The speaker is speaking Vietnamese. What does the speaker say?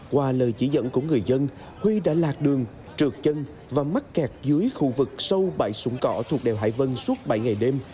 qua lời chỉ dẫn của người dân huy đã lạc đường trượt chân và mắc kẹt dưới khu vực sâu bãi sủng cỏ thuộc đèo hải vân suốt bảy ngày đêm